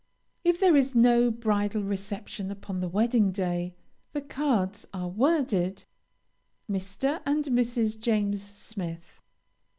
If there is no bridal reception upon the wedding day, the cards are worded: MR. AND MRS. JAMES SMITH.